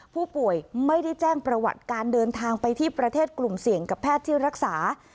ผู้ป่วยไม่ได้แจ้งประวัติการเดินทางไปที่ประเทศกลุ่มเสี่ยงกับแพทย์ที่รักษา